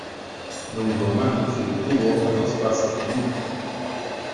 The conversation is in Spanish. Don román se detuvo a dos pasos de mí.